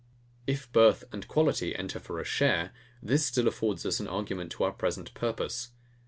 If birth and quality enter for a share, this still affords us an argument to our present purpose.